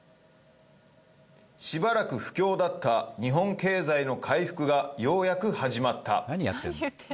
しばらく不況だった日本経済の回復がようやく始まった。